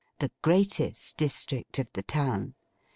The greatest district of the town.